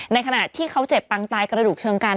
ขณะที่เขาเจ็บปังตายกระดูกเชิงกัน